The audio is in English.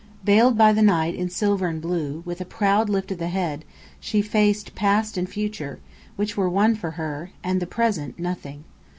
Veiled by the night in silver and blue, with a proud lift of the head, she faced past and future, which were one for her, and the present, nothing.